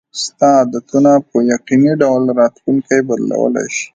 ستا عادتونه په یقیني ډول راتلونکی بدلولی شي.